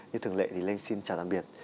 như thường lệ thì linh xin chào tạm biệt